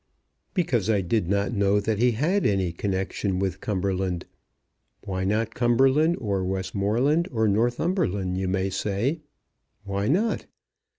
"Because I did not know that he had any connection with Cumberland. Why not Cumberland, or Westmoreland, or Northumberland, you may say? Why not?